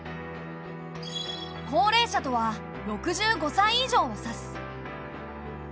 高齢者とは６５歳以上を指す。